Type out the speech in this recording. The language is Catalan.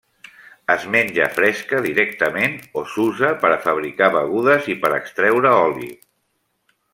Es menja fresca directament o s'usa per a fabricar begudes i per a extreure oli.